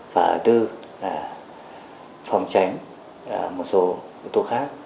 và thứ tư là phòng tránh một số yếu tố khác